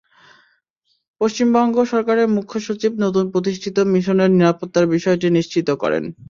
পশ্চিমবঙ্গ সরকারের মুখ্য সচিব নতুন প্রতিষ্ঠিত মিশনের নিরাপত্তার বিষয়টি নিশ্চিত করেন।